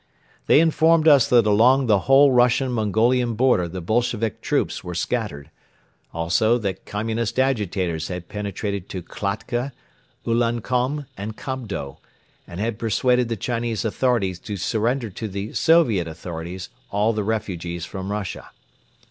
They informed us that along the whole Russian Mongolian border the Bolshevik troops were scattered; also that Communist agitators had penetrated to Kiakhta, Ulankom and Kobdo and had persuaded the Chinese authorities to surrender to the Soviet authorities all the refugees from Russia.